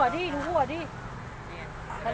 ข้าบมันรั่วดิรั่วดิ